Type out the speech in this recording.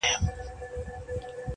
خدايه لويه، ما وساتې بې زويه.